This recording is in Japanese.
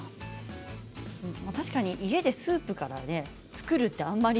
確かに家でスープから作るってあんまり。